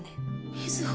瑞穂！？